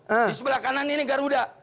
di sebelah kanan ini garuda